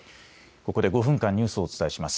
ここで５分間ニュースをお伝えします。